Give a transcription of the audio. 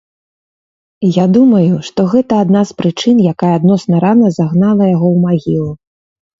Я думаю, што гэта адна з прычын, якая адносна рана загнала яго ў магілу.